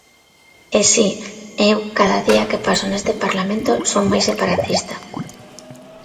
E si, eu cada día que paso neste Parlamento son máis separatista.